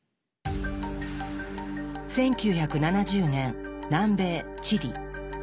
１９７０年南米チリ。